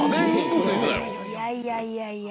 いやいやいやいや。